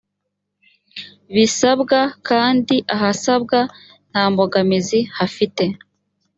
bisabwa kandi ahasabwa nta mbogamizi hafite